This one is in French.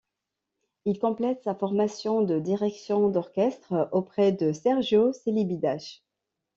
Il complète sa formation de direction d’orchestre auprès de Sergiu Celibidache.